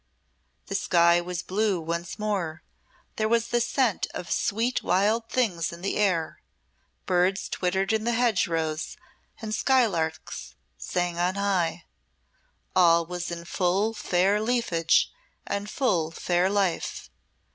The sky was blue once more, there was the scent of sweet wild things in the air, birds twittered in the hedgerows and skylarks sang on high; all was in full fair leafage and full fair life.